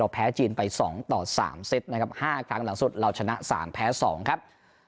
เราแพ้จีนไปสองต่อสามเซตนะครับห้าครั้งหลังสุดเราชนะสามแพ้สองครับ